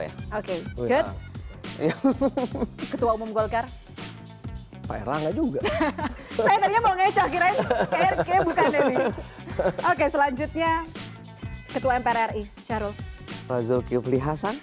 ya oke ketua umum golkar pak erlangga juga oke selanjutnya ketua mpri charo razulkifli hasan